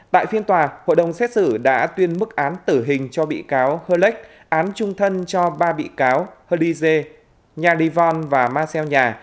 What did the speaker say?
tại phiên tòa hội đồng xét xử đã tuyên mức án tử hình cho bị cáo herlick án trung thân cho ba bị cáo herlise nha livon và marcel nhà